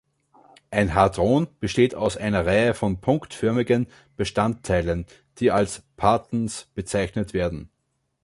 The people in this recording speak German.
Ein Hadron besteht aus einer Reihe von punktförmigen Bestandteilen, die als „Partons“ bezeichnet werden.